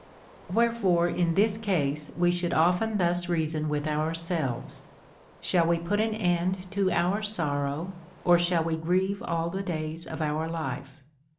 * Wherefore in this case we should often thus reason with ourselves : Shall Ave put an end to our sorrow, or shall λυο grieve all the days of our life